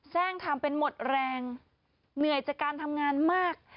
แทร่งทำเป็นหมดแรงเหนื่อยจากการทำงานมาก